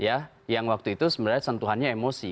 ya yang waktu itu sebenarnya sentuhannya emosi